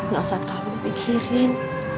gak usah terlalu dipikirin